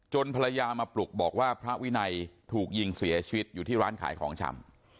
ภรรยามาปลุกบอกว่าพระวินัยถูกยิงเสียชีวิตอยู่ที่ร้านขายของชำ